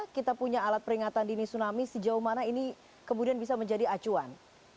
kita punya alat peringatan dini tsunami sejauh mana ini kemudian bisa menjadi acuan